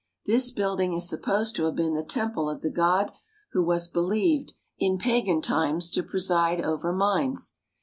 This building is supposed to have been the temple of the god who was believed, in pagan times, to preside over mines.